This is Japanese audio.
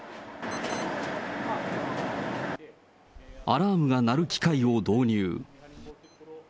アラームが鳴る機械を導入。